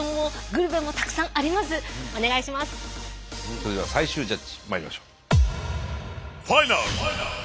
それでは最終ジャッジまいりましょう。